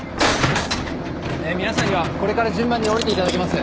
皆さんにはこれから順番に降りていただきます。